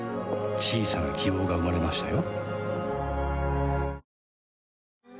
小さな希望が生まれましたよ